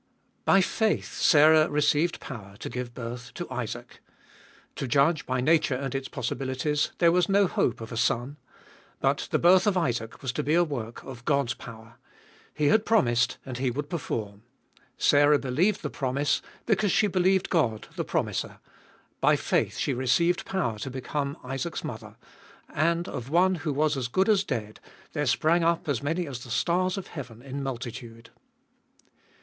BY faith Sarah received power to give birth to Isaac. To judge by nature and its possibilities, there was no hope of a son. But the birth of Isaac was to be a work of God's power : He had promised and He would perform. Sarah believed the promise, because she believed God the promiser ; by faith she received power to become Isaac's mother ; and of one who was as good as dead, there sprang up as many as the stars of heaven in multitude.